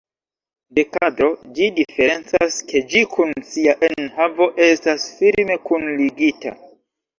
De kadro ĝi diferencas, ke ĝi kun sia enhavo estas firme kunligita.